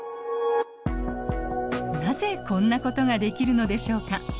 なぜこんなことができるのでしょうか？